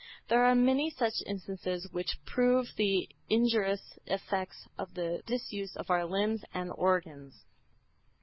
There are many such instances which prove the injurious effects of the disuse of our limbs and organs.